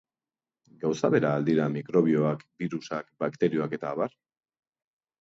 Gauza bera al dira mikrobioak, birusak, bakterioak eta abar?